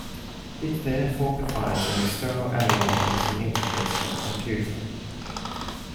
It therefore provides an external analog mixing interface for the computer.